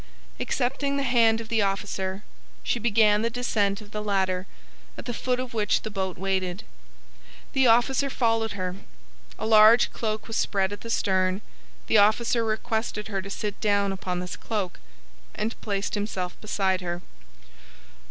Accepting the hand of the officer, she began the descent of the ladder, at the foot of which the boat waited. The officer followed her. A large cloak was spread at the stern; the officer requested her to sit down upon this cloak, and placed himself beside her.